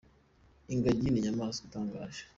Ingagi ni inyamaswa itangaje.